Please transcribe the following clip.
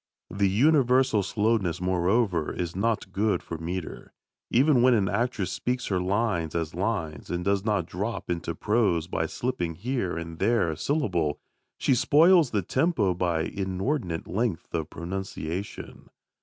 The universal slowness, moreover, is not good for metre. Even when an actress speaks her lines as lines, and does not drop into prose by slipping here and there a syllable, she spoils the tempo by inordinate length of pronunciation.